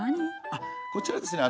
あっこちらはですね